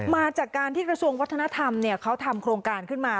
มาจากการที่กระทรวงวัฒนธรรมเขาทำโครงการขึ้นมา